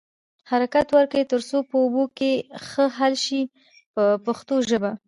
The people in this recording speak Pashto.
حرکت ورکړئ تر څو په اوبو کې ښه حل شي په پښتو ژبه.